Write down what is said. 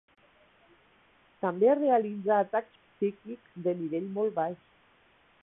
També realitza atacs psíquics de nivell molt baix.